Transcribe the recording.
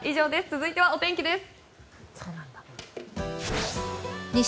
続いてはお天気です。